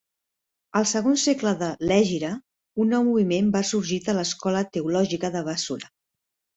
Al segon segle de l'Hègira, un nou moviment va sorgir de l'escola teològica de Bàssora.